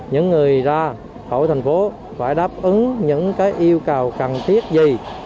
những người ra khỏi thành phố phải đáp ứng những yêu cầu cần thiết gì